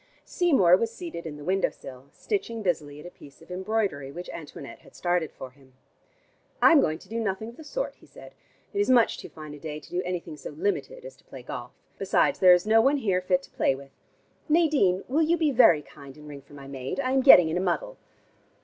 Seymour was seated in the window sill, stitching busily at a piece of embroidery which Antoinette had started for him. "I am going to do nothing of the sort," he said. "It is much too fine a day to do anything so limited as to play golf. Besides there is no one here fit to play with. Nadine, will you be very kind and ring for my maid? I am getting in a muddle."